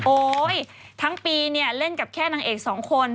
โอ๊ยทั้งปีเล่นกับแค่นางเอก๒คน